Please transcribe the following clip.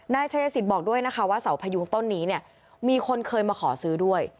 นายชายสิทธิ์บอกด้วยนะคะว่าเสาพยุงต้นนี้เนี่ยมีคนเคยมาขอซื้อด้วย